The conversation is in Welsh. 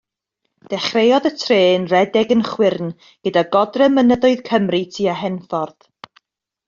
Dechreuodd y trên redeg yn chwyrn gyda godre mynyddoedd Cymru tua Henffordd.